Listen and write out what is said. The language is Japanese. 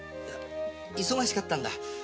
忙しかったんだ。